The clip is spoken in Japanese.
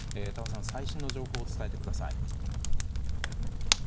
峠さん最新の情報を伝えてください。